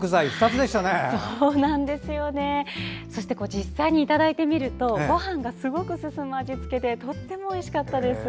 実際にいただいてみるとごはんがすごく進む味付けでとってもおいしかったです。